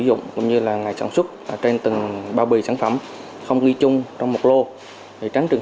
dụng cũng như là ngày sản xuất trên từng bao bì sản phẩm không ghi chung trong một lô để tránh trường